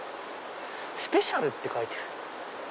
「スペシャル」って書いてる。